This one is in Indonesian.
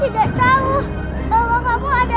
jangan lupa untuk berikan duit